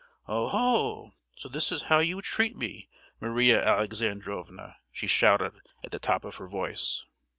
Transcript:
"Oho! so this is how you treat me, Maria Alexandrovna!" she shouted at the top of her voice.